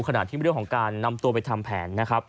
ขณะที่เรื่องของการนำตัวไปทำแผน